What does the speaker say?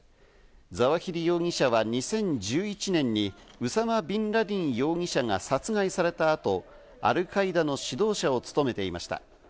ザワヒリ容疑者は２０１１年にウサマ・ビンラディン容疑者が殺害された後、アルカイダの指導者を務めていました。